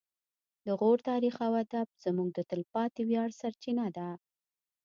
د غور تاریخ او ادب زموږ د تلپاتې ویاړ سرچینه ده